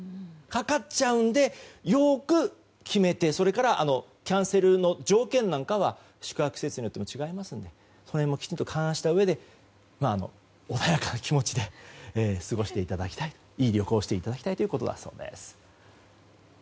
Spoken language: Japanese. かかっちゃうんでよく決めてそれからキャンセルの条件なんかは宿泊施設によっても違いますのでその辺もきちんと調べて穏やかな気持ちで過ごしていただきたいといい旅行をしていただきたいということです。